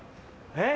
えっ？